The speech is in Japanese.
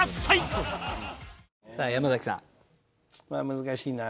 難しいな。